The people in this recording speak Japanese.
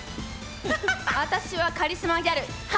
私はカリスマギャル華！